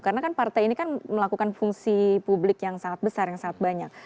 karena kan partai ini kan melakukan fungsi publik yang sangat besar yang sangat banyak